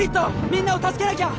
みんなを助けなきゃ！